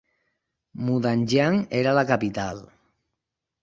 Mudanjiang era la capital.